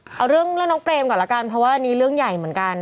ค่ะเอาเรื่องเรื่องน้องเบรกก่อนละกันเพราะว่านี้เรื่องใหญ่เหมือนกัน